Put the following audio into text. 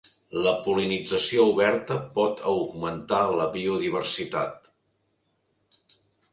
La pol·linització oberta pot augmentar la biodiversitat.